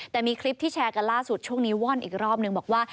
แต่มีคลิปที่แชร์กันล่าสุดช่วงนี้ว่อนอีกรอบนึงบอกว่า